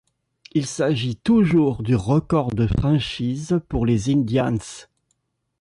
Il s'agit toujours du record de franchise pour les Indians.